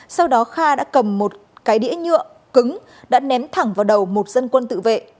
sau đó kha đã cầm một cái đĩa nhựa cứng đã ném thẳng vào đầu một dân quân tự vệ